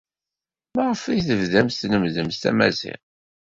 Maɣef ay tebdamt tlemmdemt tamaziɣt?